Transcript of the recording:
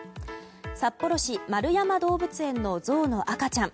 札幌市円山動物園のゾウの赤ちゃん。